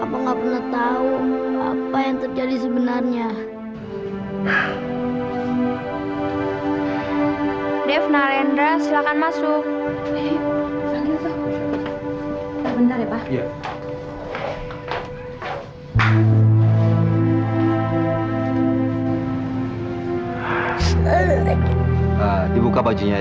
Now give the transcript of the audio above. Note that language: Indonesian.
pak papa gak pernah tahu apa yang terjadi sebenarnya